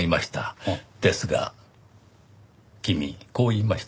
ですが君こう言いました。